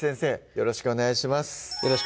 よろしくお願いします